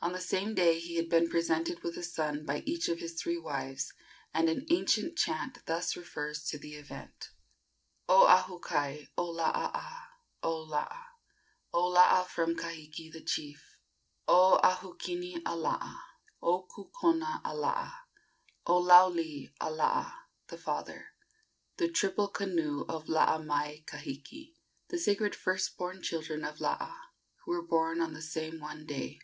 On the same day he had been presented with a son by each of his three wives, and an ancient chant thus refers to the event: "O Ahukai, O Laa a, O Laa, O Laa from Kahiki, the chief; O Ahukini a Laa, O Kukona a Laa, O Lauli a Laa, the father The triple canoe of Laa mai kahiki, The sacred first born children of Laa, Who were born on the same one day."